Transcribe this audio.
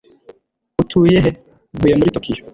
Utuye he?" "Ntuye muri Tokiyo."